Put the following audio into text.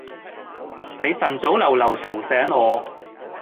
你晨早流流嘈醒我